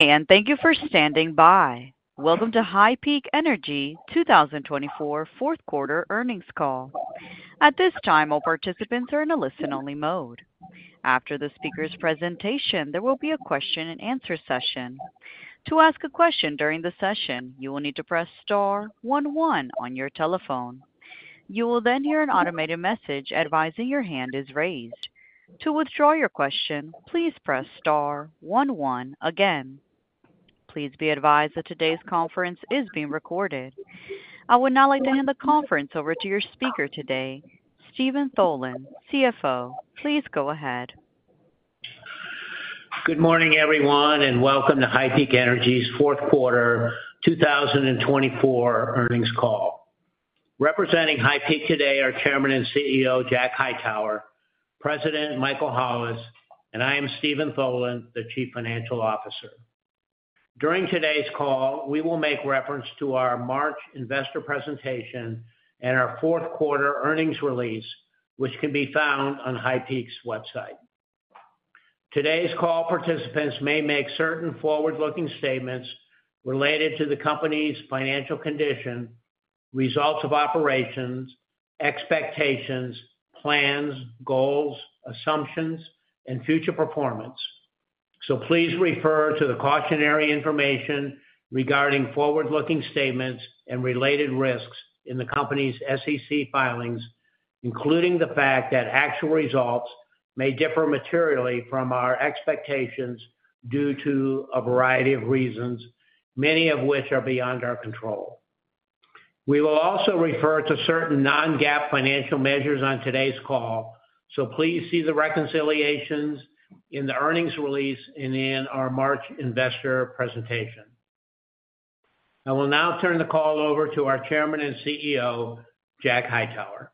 Thank you for standing by. Welcome to HighPeak Energy 2024 Fourth Quarter Earnings Call. At this time, all participants are in a listen-only mode. After the speaker's presentation, there will be a question-and-answer session. To ask a question during the session, you will need to press star one one on your telephone. You will then hear an automated message advising your hand is raised. To withdraw your question, please press star one one again. Please be advised that today's conference is being recorded. I would now like to hand the conference over to your speaker today, Steven Tholen, CFO. Please go ahead. Good morning, everyone, and welcome to HighPeak Energy's Fourth Quarter 2024 Earnings Call. Representing HighPeak today are Chairman and CEO Jack Hightower, President Michael Hollis, and I am Steven Tholen, the Chief Financial Officer. During today's call, we will make reference to our March investor presentation and our fourth quarter earnings release, which can be found on HighPeak's website. Today's call participants may make certain forward-looking statements related to the company's financial condition, results of operations, expectations, plans, goals, assumptions, and future performance. Please refer to the cautionary information regarding forward-looking statements and related risks in the company's SEC filings, including the fact that actual results may differ materially from our expectations due to a variety of reasons, many of which are beyond our control. We will also refer to certain non-GAAP financial measures on today's call, so please see the reconciliations in the earnings release and in our March investor presentation. I will now turn the call over to our Chairman and CEO, Jack Hightower.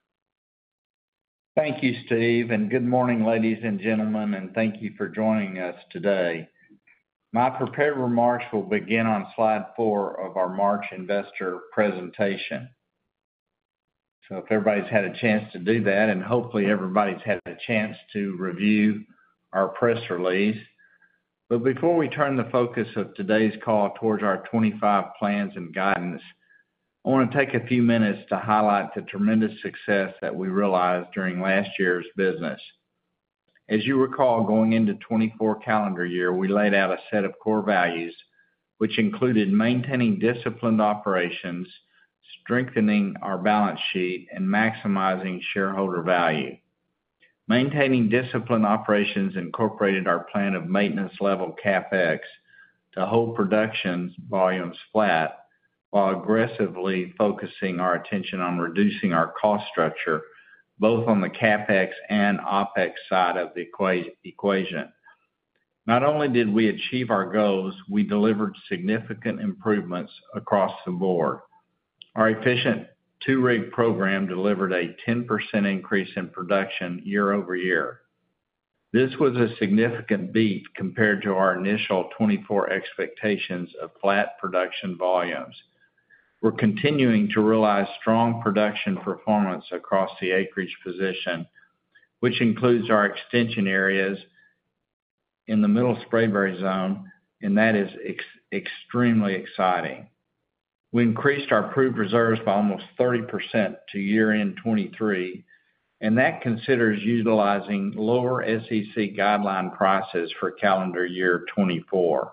Thank you, Steve, and good morning, ladies and gentlemen, and thank you for joining us today. My prepared remarks will begin on slide four of our March investor presentation. If everybody's had a chance to do that, and hopefully everybody's had a chance to review our press release. Before we turn the focus of today's call towards our 2025 plans and guidance, I want to take a few minutes to highlight the tremendous success that we realized during last year's business. As you recall, going into the 2024 calendar year, we laid out a set of core values, which included maintaining disciplined operations, strengthening our balance sheet, and maximizing shareholder value. Maintaining disciplined operations incorporated our plan of maintenance level CapEx to hold production volumes flat while aggressively focusing our attention on reducing our cost structure, both on the CapEx and OpEx side of the equation. Not only did we achieve our goals, we delivered significant improvements across the board. Our efficient two-rig program delivered a 10% increase in production year-over-year. This was a significant beat compared to our initial 2024 expectations of flat production volumes. We are continuing to realize strong production performance across the acreage position, which includes our extension areas in the Middle Sprayberry zone, and that is extremely exciting. We increased our proved reserves by almost 30% to year-end 2023, and that considers utilizing lower SEC guideline prices for calendar year 2024.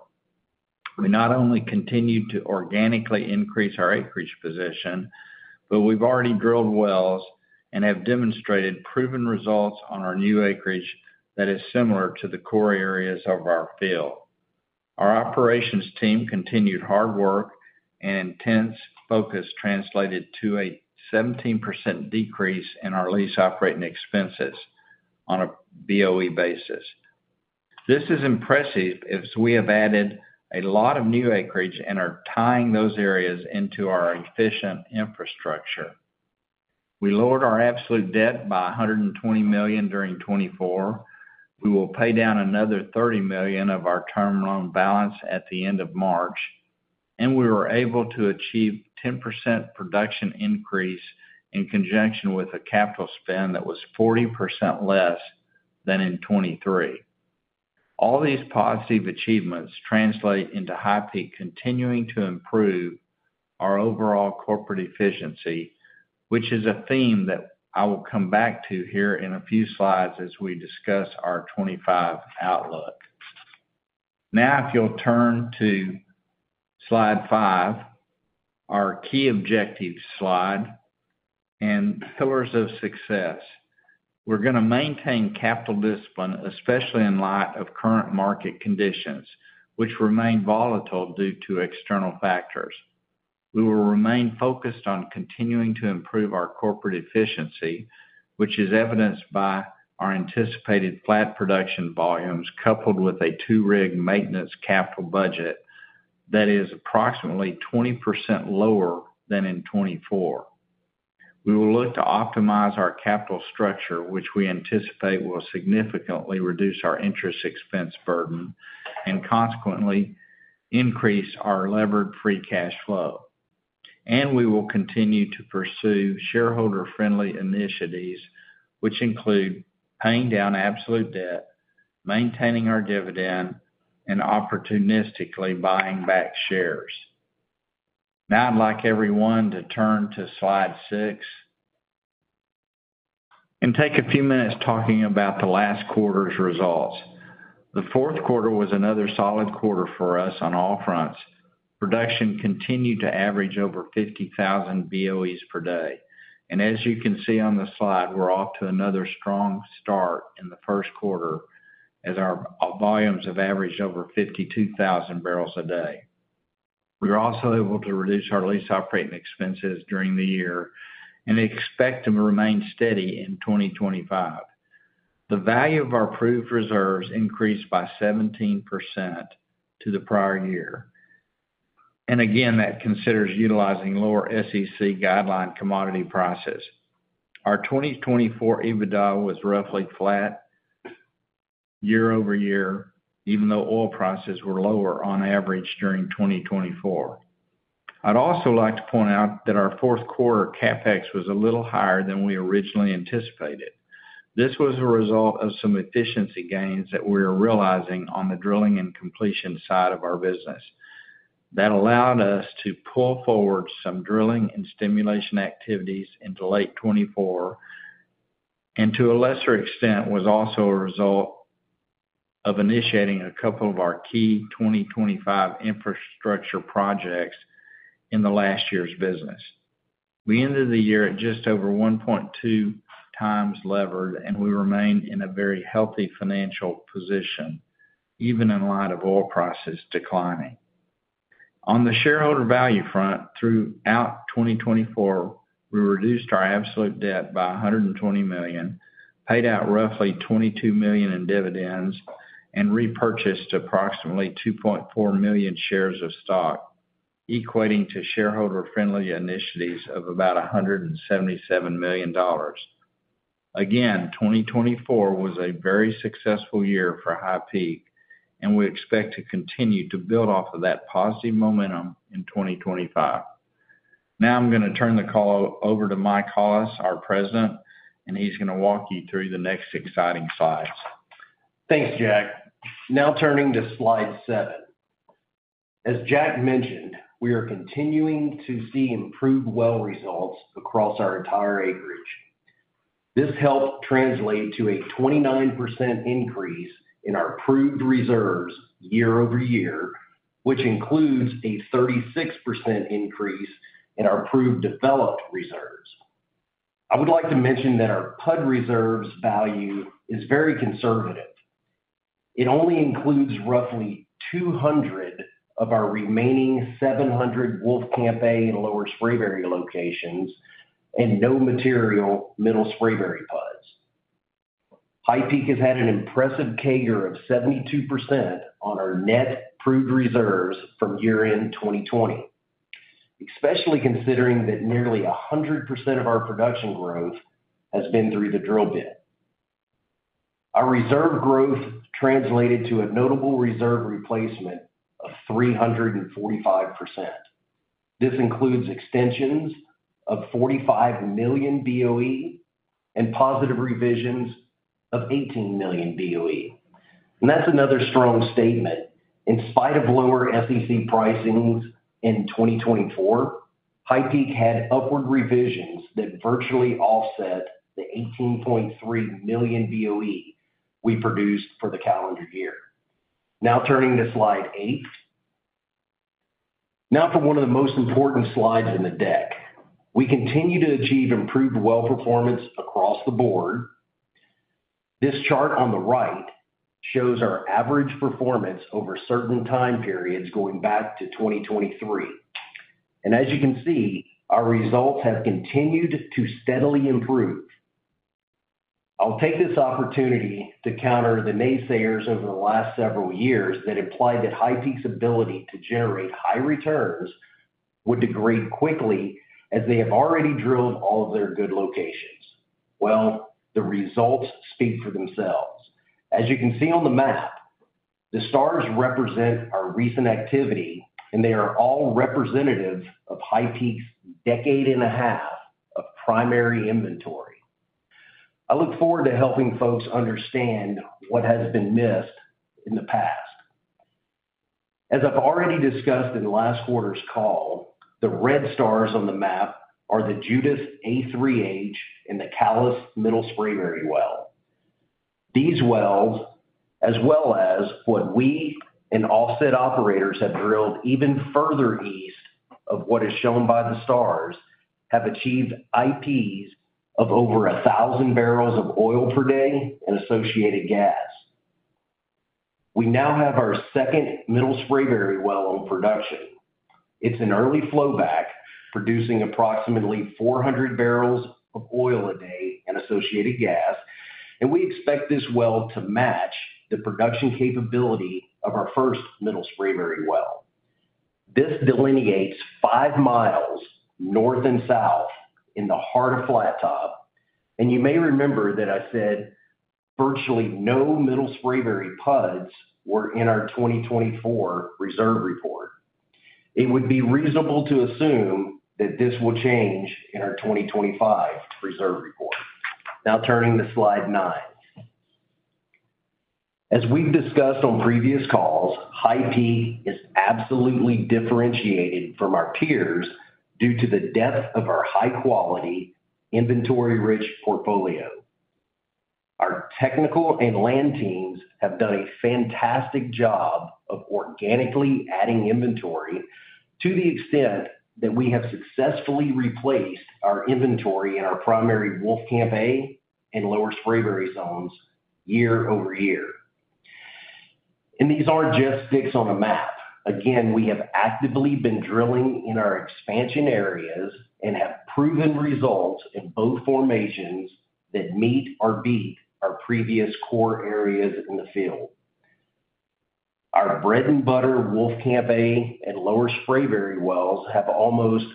We not only continue to organically increase our acreage position, but we have already drilled wells and have demonstrated proven results on our new acreage that is similar to the core areas of our field. Our operations team continued hard work, and intense focus translated to a 17% decrease in our lease operating expenses on a BOE basis. This is impressive as we have added a lot of new acreage and are tying those areas into our efficient infrastructure. We lowered our absolute debt by $120 million during 2024. We will pay down another $30 million of our term loan balance at the end of March, and we were able to achieve a 10% production increase in conjunction with a capital spend that was 40% less than in 2023. All these positive achievements translate into HighPeak continuing to improve our overall corporate efficiency, which is a theme that I will come back to here in a few slides as we discuss our 2025 outlook. Now, if you'll turn to slide five, our key objectives slide, and pillars of success. We're going to maintain capital discipline, especially in light of current market conditions, which remain volatile due to external factors. We will remain focused on continuing to improve our corporate efficiency, which is evidenced by our anticipated flat production volumes coupled with a two-rig maintenance capital budget that is approximately 20% lower than in 2024. We will look to optimize our capital structure, which we anticipate will significantly reduce our interest expense burden and consequently increase our levered free cash flow. We will continue to pursue shareholder-friendly initiatives, which include paying down absolute debt, maintaining our dividend, and opportunistically buying back shares. Now, I'd like everyone to turn to slide six and take a few minutes talking about the last quarter's results. The fourth quarter was another solid quarter for us on all fronts. Production continued to average over 50,000 BOEs per day. As you can see on the slide, we're off to another strong start in the first quarter as our volumes have averaged over 52,000 barrels a day. We were also able to reduce our lease operating expenses during the year and expect them to remain steady in 2025. The value of our proved reserves increased by 17% to the prior year. Again, that considers utilizing lower SEC guideline commodity prices. Our 2024 EBITDA was roughly flat year-over-year, even though oil prices were lower on average during 2024. I'd also like to point out that our fourth quarter CapEx was a little higher than we originally anticipated. This was a result of some efficiency gains that we were realizing on the drilling and completion side of our business. That allowed us to pull forward some drilling and stimulation activities into late 2024, and to a lesser extent, was also a result of initiating a couple of our key 2025 infrastructure projects in the last year's business. We ended the year at just over 1.2x levered, and we remained in a very healthy financial position, even in light of oil prices declining. On the shareholder value front, throughout 2024, we reduced our absolute debt by $120 million, paid out roughly $22 million in dividends, and repurchased approximately 2.4 million shares of stock, equating to shareholder-friendly initiatives of about $177 million. Again, 2024 was a very successful year for HighPeak, and we expect to continue to build off of that positive momentum in 2025. Now, I'm going to turn the call over to Mike Hollis, our President, and he's going to walk you through the next exciting slides. Thanks, Jack. Now, turning to slide seven. As Jack mentioned, we are continuing to see improved well results across our entire acreage. This helped translate to a 29% increase in our proved reserves year-over-year, which includes a 36% increase in our proved developed reserves. I would like to mention that our PUD reserves value is very conservative. It only includes roughly 200 of our remaining 700 Wolfcamp A and Lower Sprayberry locations and no material Middle Sprayberry PUDs. HighPeak has had an impressive CAGR of 72% on our net proved reserves from year-end 2020, especially considering that nearly 100% of our production growth has been through the drill bit. Our reserve growth translated to a notable reserve replacement of 345%. This includes extensions of 45 million BOE and positive revisions of 18 million BOE. That is another strong statement. In spite of lower SEC pricings in 2024, HighPeak had upward revisions that virtually offset the 18.3 million BOE we produced for the calendar year. Now, turning to slide eight. Now for one of the most important slides in the deck. We continue to achieve improved well performance across the board. This chart on the right shows our average performance over certain time periods going back to 2023. As you can see, our results have continued to steadily improve. I'll take this opportunity to counter the naysayers over the last several years that implied that HighPeak's ability to generate high returns would degrade quickly as they have already drilled all of their good locations. Well, the results speak for themselves. As you can see on the map, the stars represent our recent activity, and they are all representative of HighPeak's decade and a half of primary inventory. I look forward to helping folks understand what has been missed in the past. As I've already discussed in last quarter's call, the red stars on the map are the Judith A3H and the Callas middle Sprayberry well. These wells, as well as what we and offset operators have drilled even further east of what is shown by the stars, have achieved IPs of over 1,000 barrels of oil per day and associated gas. We now have our second middle Sprayberry well on production. It's an early flowback, producing approximately 400 barrels of oil a day and associated gas, and we expect this well to match the production capability of our first middle Sprayberry well. This delineates five miles north and south in the heart of Flat Top, and you may remember that I said virtually no middle Sprayberry PUDs were in our 2024 reserve report. It would be reasonable to assume that this will change in our 2025 reserve report. Now, turning to slide nine. As we've discussed on previous calls, HighPeak is absolutely differentiated from our peers due to the depth of our high-quality, inventory-rich portfolio. Our technical and land teams have done a fantastic job of organically adding inventory to the extent that we have successfully replaced our inventory in our primary Wolfcamp A and Lower Sprayberry zones year-over-year. These aren't just sticks on a map. Again, we have actively been drilling in our expansion areas and have proven results in both formations that meet or beat our previous core areas in the field. Our bread-and-butter Wolfcamp A and Lower Sprayberry wells have almost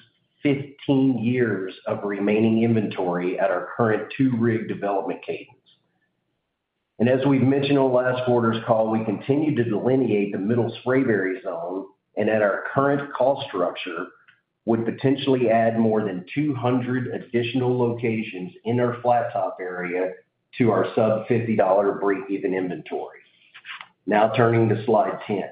15 years of remaining inventory at our current two-rig development cadence. As we mentioned on last quarter's call, we continue to delineate the Middle Sprayberry zone, and at our current cost structure, would potentially add more than 200 additional locations in our Flat Top area to our sub-$50 break-even inventory. Now, turning to slide 10.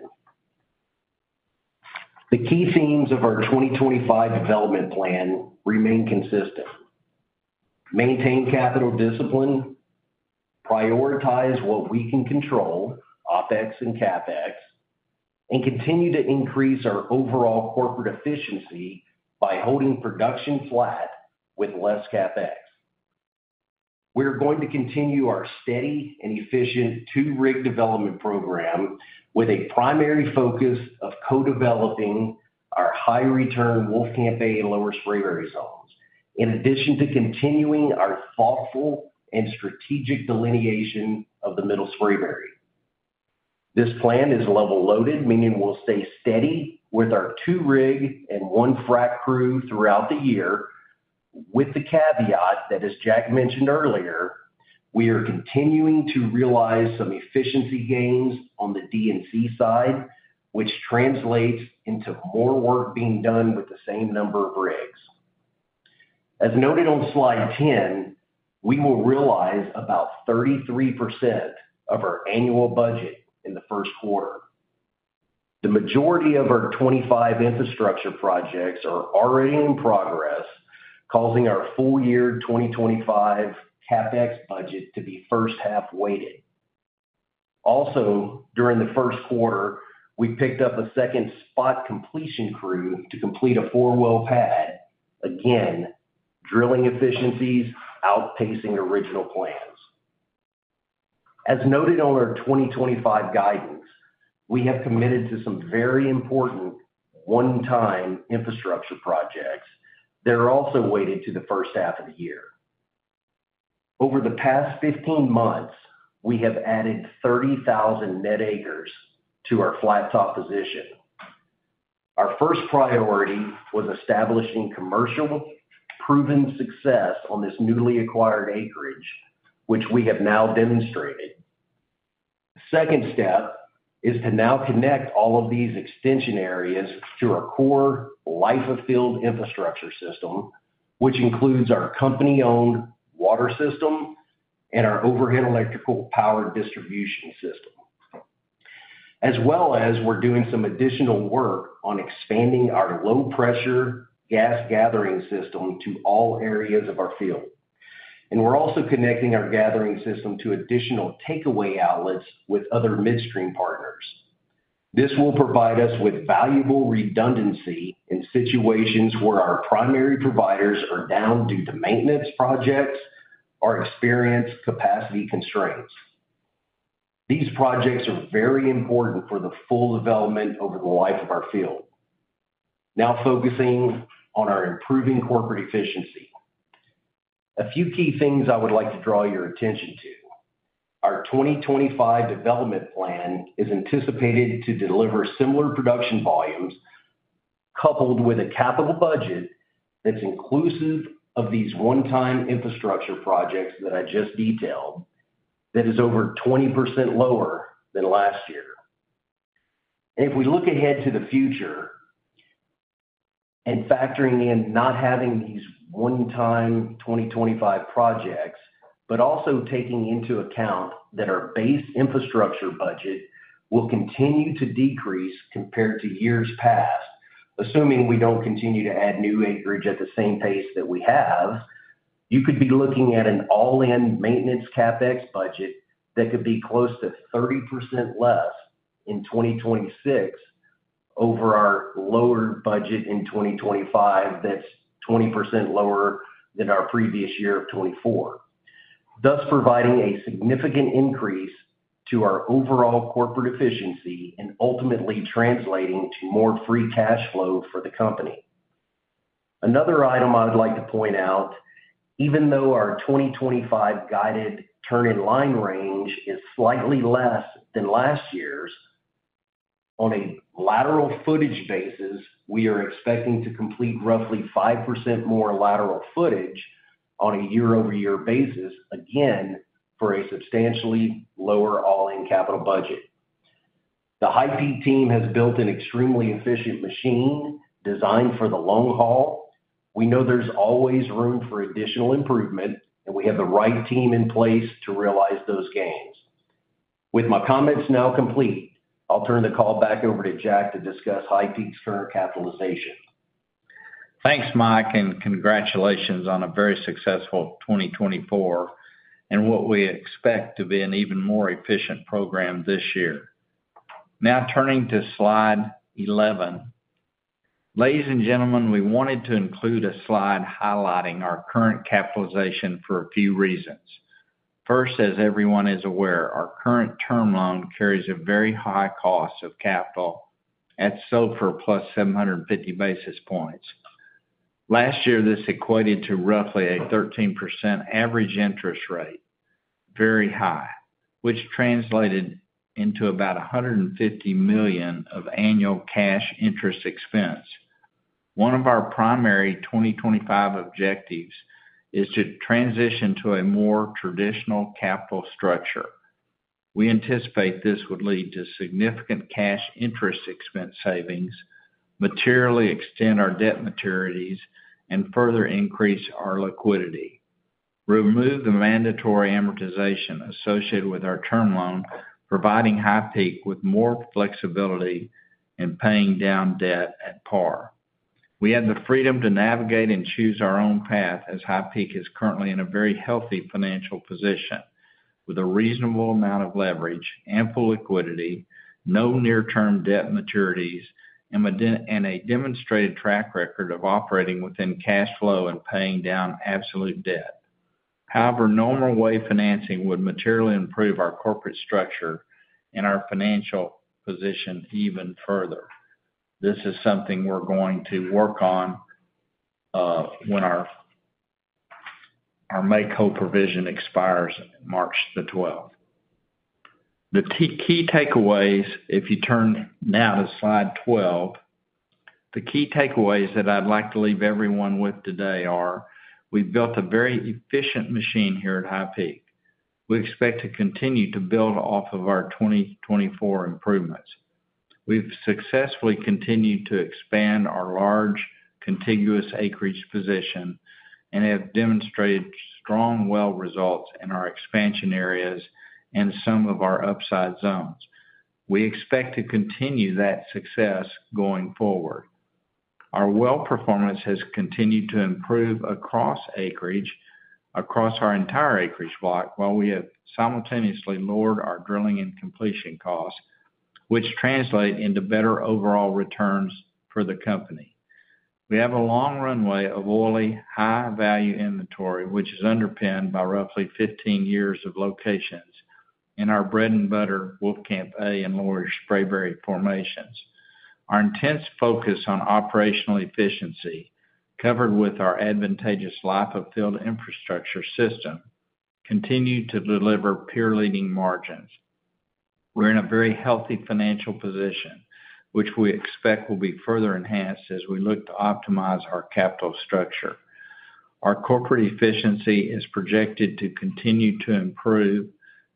The key themes of our 2025 development plan remain consistent. Maintain capital discipline, prioritize what we can control, OpEx and CapEx, and continue to increase our overall corporate efficiency by holding production flat with less CapEx. We are going to continue our steady and efficient two-rig development program with a primary focus of co-developing our high-return Wolfcamp A and Lower Sprayberry zones, in addition to continuing our thoughtful and strategic delineation of the Middle Sprayberry. This plan is level loaded, meaning we'll stay steady with our two-rig and one frac crew throughout the year, with the caveat that, as Jack mentioned earlier, we are continuing to realize some efficiency gains on the D&C side, which translates into more work being done with the same number of rigs. As noted on slide 10, we will realize about 33% of our annual budget in the first quarter. The majority of our 25 infrastructure projects are already in progress, causing our full-year 2025 CapEx budget to be first-half weighted. Also, during the first quarter, we picked up a second spot completion crew to complete a four-well pad, again, drilling efficiencies outpacing original plans. As noted on our 2025 guidance, we have committed to some very important one-time infrastructure projects that are also weighted to the first half of the year. Over the past 15 months, we have added 30,000 net acres to our Flat Top position. Our first priority was establishing commercial proven success on this newly acquired acreage, which we have now demonstrated. The second step is to now connect all of these extension areas to our core life-of-field infrastructure system, which includes our company-owned water system and our overhead electrical power distribution system, as well as we are doing some additional work on expanding our low-pressure gas gathering system to all areas of our field. We are also connecting our gathering system to additional takeaway outlets with other midstream partners. This will provide us with valuable redundancy in situations where our primary providers are down due to maintenance projects or experience capacity constraints. These projects are very important for the full development over the life of our field. Now, focusing on our improving corporate efficiency, a few key things I would like to draw your attention to. Our 2025 development plan is anticipated to deliver similar production volumes coupled with a capital budget that is inclusive of these one-time infrastructure projects that I just detailed that is over 20% lower than last year. If we look ahead to the future and factoring in not having these one-time 2025 projects, but also taking into account that our base infrastructure budget will continue to decrease compared to years past, assuming we don't continue to add new acreage at the same pace that we have, you could be looking at an all-in maintenance CapEx budget that could be close to 30% less in 2026 over our lower budget in 2025 that's 20% lower than our previous year of 2024, thus providing a significant increase to our overall corporate efficiency and ultimately translating to more free cash flow for the company. Another item I'd like to point out, even though our 2025 guided turn-in line range is slightly less than last year's, on a lateral footage basis, we are expecting to complete roughly 5% more lateral footage on a year-over-year basis, again, for a substantially lower all-in capital budget. The HighPeak team has built an extremely efficient machine designed for the long haul. We know there's always room for additional improvement, and we have the right team in place to realize those gains. With my comments now complete, I'll turn the call back over to Jack to discuss HighPeak's current capitalization. Thanks, Mike, and congratulations on a very successful 2024 and what we expect to be an even more efficient program this year. Now, turning to slide 11. Ladies and gentlemen, we wanted to include a slide highlighting our current capitalization for a few reasons. First, as everyone is aware, our current term loan carries a very high cost of capital at SOFR plus 750 basis points. Last year, this equated to roughly a 13% average interest rate, very high, which translated into about $150 million of annual cash interest expense. One of our primary 2025 objectives is to transition to a more traditional capital structure. We anticipate this would lead to significant cash interest expense savings, materially extend our debt maturities, and further increase our liquidity, remove the mandatory amortization associated with our term loan, providing HighPeak with more flexibility in paying down debt at par. We have the freedom to navigate and choose our own path as HighPeak is currently in a very healthy financial position with a reasonable amount of leverage, ample liquidity, no near-term debt maturities, and a demonstrated track record of operating within cash flow and paying down absolute debt. However, normal way financing would materially improve our corporate structure and our financial position even further. This is something we're going to work on when our make-whole provision expires March the 12th. The key takeaways, if you turn now to slide 12, the key takeaways that I'd like to leave everyone with today are we've built a very efficient machine here at HighPeak. We expect to continue to build off of our 2024 improvements. We've successfully continued to expand our large contiguous acreage position and have demonstrated strong well results in our expansion areas and some of our upside zones. We expect to continue that success going forward. Our well performance has continued to improve across acreage, across our entire acreage block, while we have simultaneously lowered our drilling and completion costs, which translate into better overall returns for the company. We have a long runway of oily high-value inventory, which is underpinned by roughly 15 years of locations in our bread-and-butter Wolfcamp A and Lower Sprayberry formations. Our intense focus on operational efficiency, covered with our advantageous life-of-field infrastructure system, continues to deliver peer-leading margins. We're in a very healthy financial position, which we expect will be further enhanced as we look to optimize our capital structure. Our corporate efficiency is projected to continue to improve,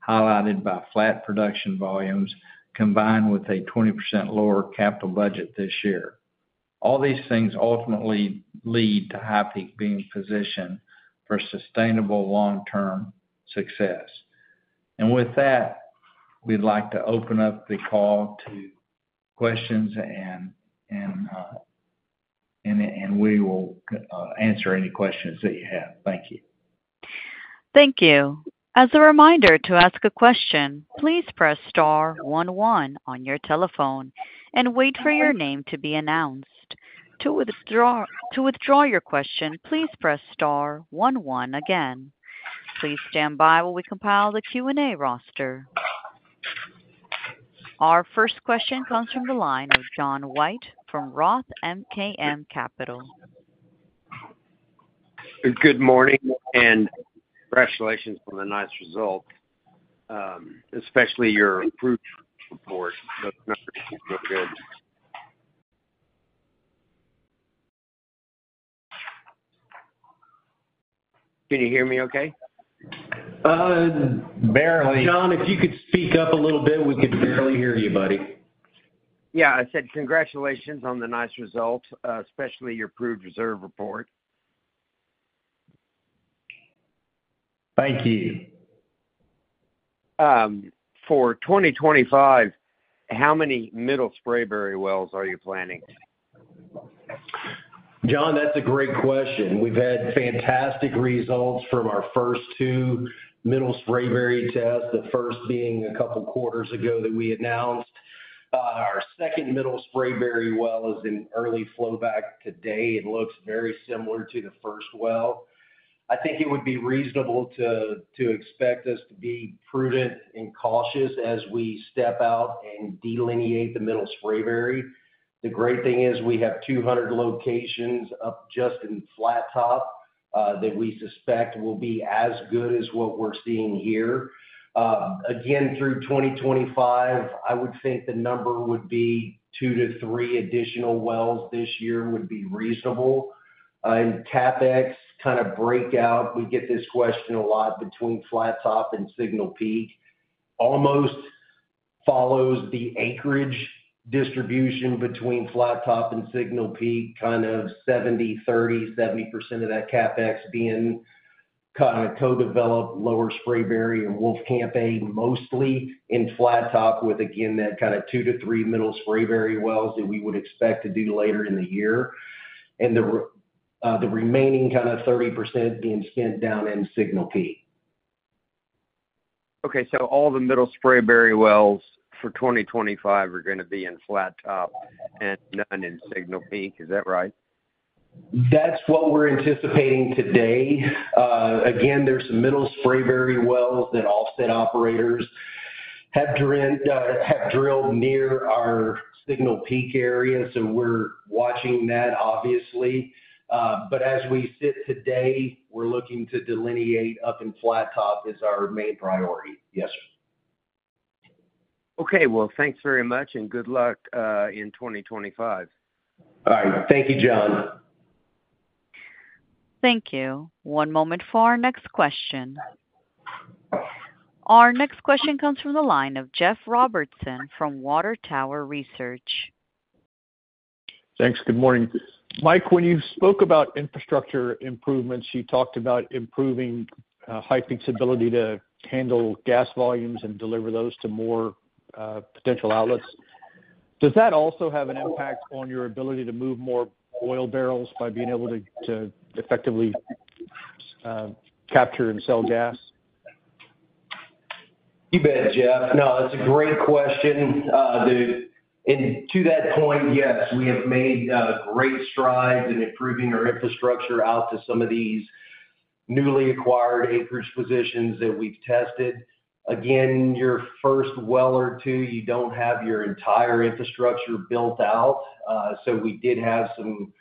highlighted by flat production volumes combined with a 20% lower capital budget this year. All these things ultimately lead to HighPeak being positioned for sustainable long-term success. With that, we'd like to open up the call to questions, and we will answer any questions that you have. Thank you. Thank you. As a reminder to ask a question, please press star one one on your telephone and wait for your name to be announced. To withdraw your question, please press star one one again. Please stand by while we compile the Q&A roster. Our first question comes from the line of John White from Roth MKM Capital. Good morning and congratulations on the nice results, especially your approved report. Those numbers look good. Can you hear me okay? Barely. John, if you could speak up a little bit, we could barely hear you, buddy. Yeah. I said congratulations on the nice results, especially your approved reserve report. Thank you. For 2025, how many Middle Sprayberry wells are you planning? John, that's a great question. We've had fantastic results from our first two Middle Sprayberry tests, the first being a couple quarters ago that we announced. Our second Middle Sprayberry well is in early flow back today. It looks very similar to the first well. I think it would be reasonable to expect us to be prudent and cautious as we step out and delineate the Middle Sprayberry. The great thing is we have 200 locations up just in Flat Top that we suspect will be as good as what we're seeing here. Again, through 2025, I would think the number would be two to three additional wells this year would be reasonable. CapEx kind of breakout, we get this question a lot between Flat Top and Signal Peak, almost follows the acreage distribution between Flat Top and Signal Peak, kind of 70/30, 70% of that CapEx being kind of co-developed Lower Sprayberry and Wolf Camp A, mostly in Flat Top with, again, that kind of two to three Middle Sprayberry wells that we would expect to do later in the year, and the remaining kind of 30% being spent down in Signal Peak. Okay. So all the Middle Sprayberry wells for 2025 are going to be in Flat Top and none in Signal Peak. Is that right? That's what we're anticipating today. Again, there are some Middle Sprayberry wells that offset operators have drilled near our Signal Peak area, so we're watching that, obviously. As we sit today, we're looking to delineate up in Flat Top as our main priority. Okay. Thanks very much and good luck in 2025. All right. Thank you, John. Thank you. One moment for our next question. Our next question comes from the line of Jeff Robertson from Water Tower Research. Thanks. Good morning. Mike, when you spoke about infrastructure improvements, you talked about improving HighPeak's ability to handle gas volumes and deliver those to more potential outlets. Does that also have an impact on your ability to move more oil barrels by being able to effectively capture and sell gas? You bet, Jeff. No, that's a great question. To that point, yes, we have made great strides in improving our infrastructure out to some of these newly acquired acreage positions that we've tested. Again, your first well or two, you don't have your entire infrastructure built out. We did have some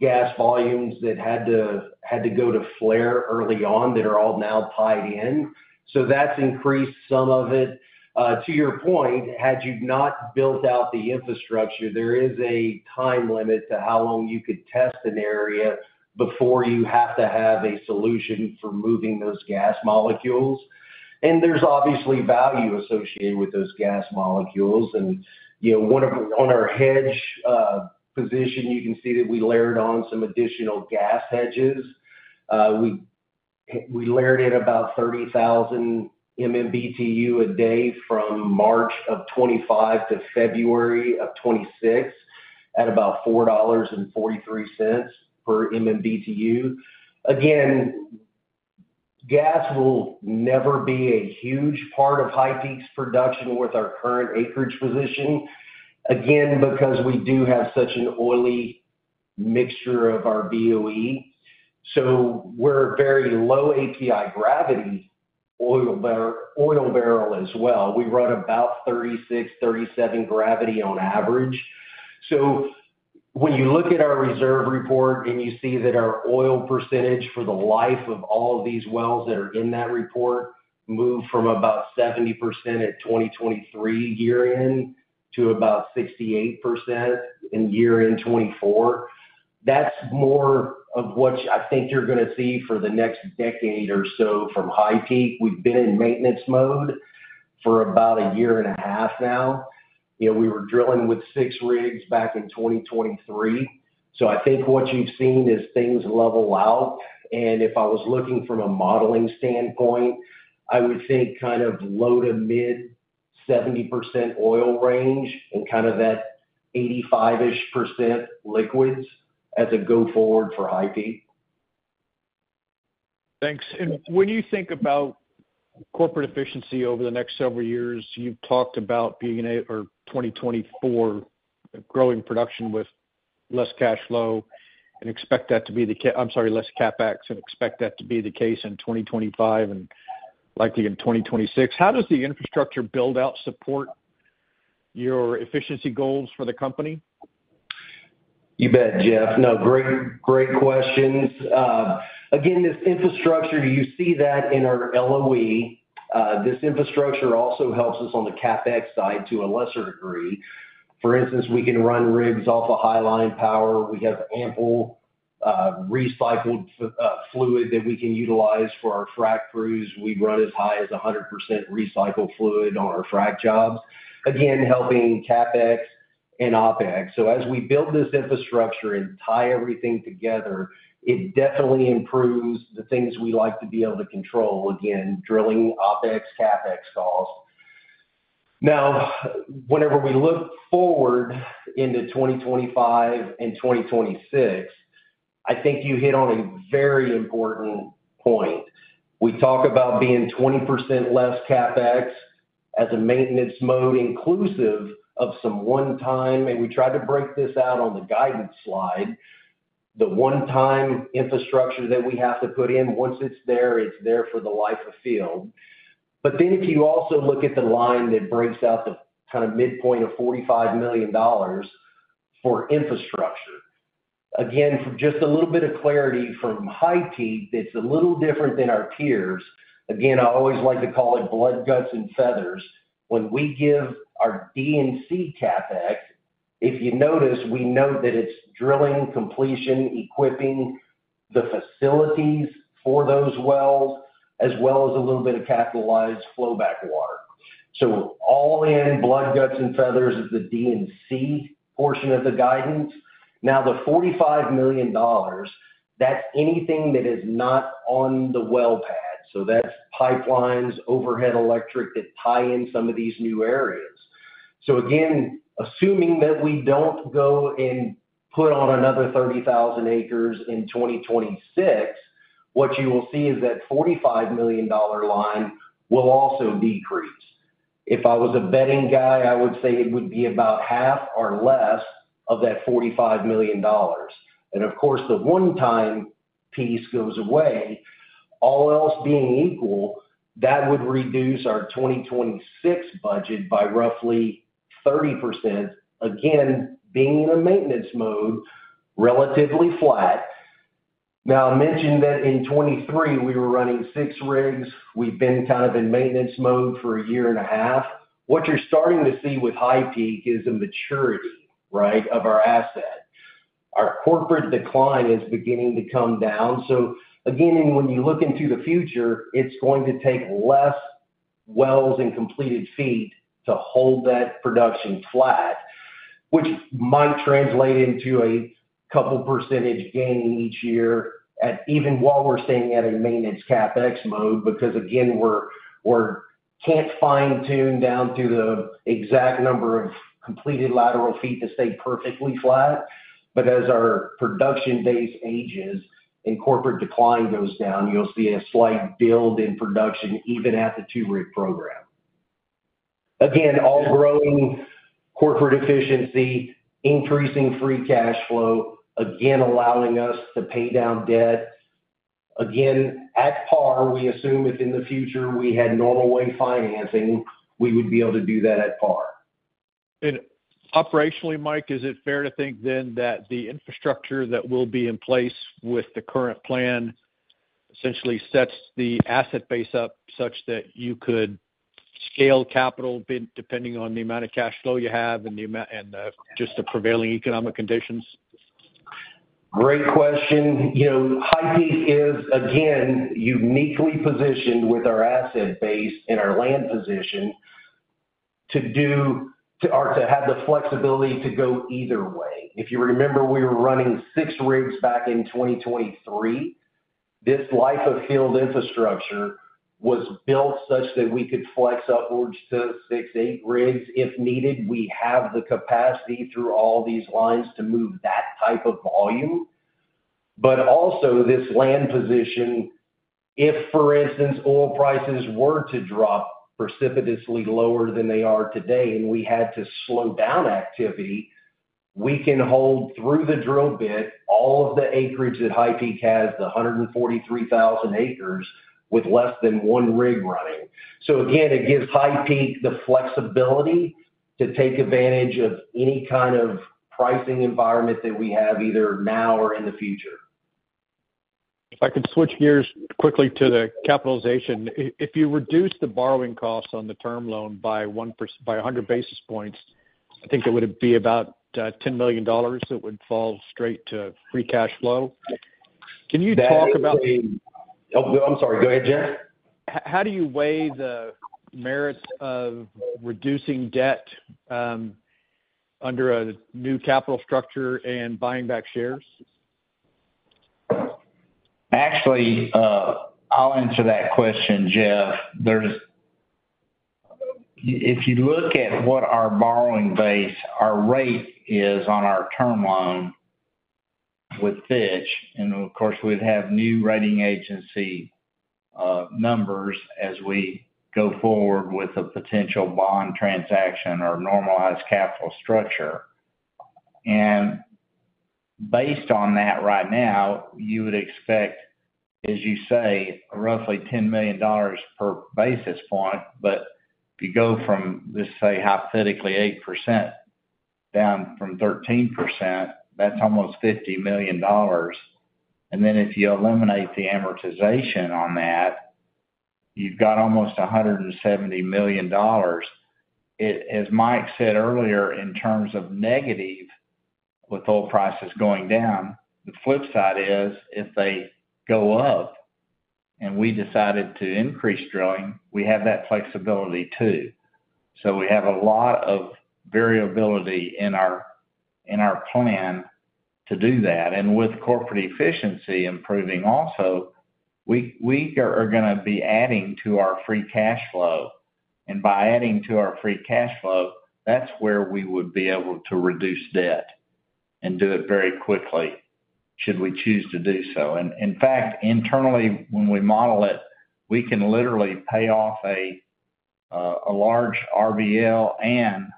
gas volumes that had to go to flare early on that are all now tied in. That has increased some of it. To your point, had you not built out the infrastructure, there is a time limit to how long you could test an area before you have to have a solution for moving those gas molecules. There is obviously value associated with those gas molecules. On our hedge position, you can see that we layered on some additional gas hedges. We layered in about 30,000 MMBTU a day from March of 2025 to February of 2026 at about $4.43 per MMBTU. Again, gas will never be a huge part of HighPeak's production with our current acreage position, again, because we do have such an oily mixture of our BOE. We are a very low API gravity oil barrel as well. We run about 36, 37 gravity on average. When you look at our reserve report and you see that our oil percentage for the life of all of these wells that are in that report moved from about 70% at 2023 year-end to about 68% in year-end 2024, that is more of what I think you are going to see for the next decade or so from HighPeak. We have been in maintenance mode for about a year and a half now. We were drilling with six rigs back in 2023. I think what you've seen is things level out. If I was looking from a modeling standpoint, I would think kind of low to mid 70% oil range and kind of that 85% liquids as a go-forward for HighPeak. Thanks. When you think about corporate efficiency over the next several years, you've talked about being in a 2024 growing production with less cash flow and expect that to be the—I'm sorry, less CapEx and expect that to be the case in 2025 and likely in 2026. How does the infrastructure build out support your efficiency goals for the company? You bet, Jeff. No, great questions. Again, this infrastructure, you see that in our LOE. This infrastructure also helps us on the CapEx side to a lesser degree. For instance, we can run rigs off of highline power. We have ample recycled fluid that we can utilize for our frac crews. We run as high as 100% recycled fluid on our frac jobs, again, helping CapEx and OpEx. As we build this infrastructure and tie everything together, it definitely improves the things we like to be able to control, again, drilling OpEx, CapEx cost. Now, whenever we look forward into 2025 and 2026, I think you hit on a very important point. We talk about being 20% less CapEx as a maintenance mode inclusive of some one-time, and we tried to break this out on the guidance slide. The one-time infrastructure that we have to put in, once it's there, it's there for the life of field. If you also look at the line that breaks out the kind of midpoint of $45 million for infrastructure, just a little bit of clarity from HighPeak, it's a little different than our peers. I always like to call it blood, guts, and feathers. When we give our D&C CapEx, if you notice, we note that it's drilling, completion, equipping the facilities for those wells, as well as a little bit of capitalized flow backwater. All in, blood, guts, and feathers is the D&C portion of the guidance. The $45 million, that's anything that is not on the well pad. That's pipelines, overhead electric that tie in some of these new areas. Again, assuming that we do not go and put on another 30,000 acres in 2026, what you will see is that $45 million line will also decrease. If I was a betting guy, I would say it would be about half or less of that $45 million. Of course, the one-time piece goes away. All else being equal, that would reduce our 2026 budget by roughly 30%, again, being in a maintenance mode relatively flat. I mentioned that in 2023, we were running six rigs. We have been kind of in maintenance mode for a year and a half. What you are starting to see with HighPeak is a maturity, right, of our asset. Our corporate decline is beginning to come down. Again, when you look into the future, it's going to take fewer wells and completed feet to hold that production flat, which might translate into a couple percentage gain each year even while we're staying at a maintenance CapEx mode because, again, we can't fine-tune down to the exact number of completed lateral feet to stay perfectly flat. As our production base ages and corporate decline goes down, you'll see a slight build in production even at the two-rig program. All growing corporate efficiency, increasing free cash flow, again, allowing us to pay down debt. At par, we assume if in the future we had normal way financing, we would be able to do that at par. Operationally, Mike, is it fair to think then that the infrastructure that will be in place with the current plan essentially sets the asset base up such that you could scale capital depending on the amount of cash flow you have and just the prevailing economic conditions? Great question. HighPeak is, again, uniquely positioned with our asset base and our land position to have the flexibility to go either way. If you remember, we were running six rigs back in 2023. This life of field infrastructure was built such that we could flex upwards to six, eight rigs if needed. We have the capacity through all these lines to move that type of volume. Also, this land position, if, for instance, oil prices were to drop precipitously lower than they are today and we had to slow down activity, we can hold through the drill bit all of the acreage that HighPeak has, the 143,000 acres with less than one rig running. Again, it gives HighPeak the flexibility to take advantage of any kind of pricing environment that we have either now or in the future. If I could switch gears quickly to the capitalization, if you reduce the borrowing costs on the term loan by 100 basis points, I think it would be about $10 million that would fall straight to free cash flow. Can you talk about? I'm sorry. Go ahead, Jeff. How do you weigh the merits of reducing debt under a new capital structure and buying back shares? Actually, I'll answer that question, Jeff. If you look at what our borrowing base, our rate is on our term loan with Fitch, and of course, we'd have new rating agency numbers as we go forward with a potential bond transaction or normalized capital structure. Based on that right now, you would expect, as you say, roughly $10 million per basis point. If you go from, let's say, hypothetically 8% down from 13%, that's almost $50 million. If you eliminate the amortization on that, you've got almost $170 million. As Mike said earlier, in terms of negative with oil prices going down, the flip side is if they go up and we decided to increase drilling, we have that flexibility too. We have a lot of variability in our plan to do that. With corporate efficiency improving also, we are going to be adding to our free cash flow. By adding to our free cash flow, that's where we would be able to reduce debt and do it very quickly should we choose to do so. In fact, internally, when we model it, we can literally pay off a large RBL and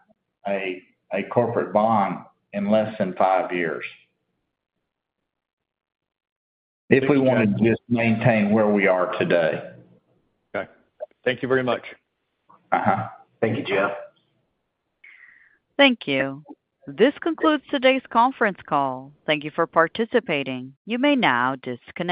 a corporate bond in less than five years if we want to just maintain where we are today. Okay. Thank you very much. Thank you, Jeff. Thank you. This concludes today's conference call. Thank you for participating. You may now disconnect.